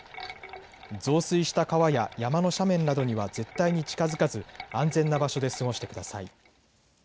増水した川や山の斜面などには絶対に近づかず安全な場所で過ごしてください。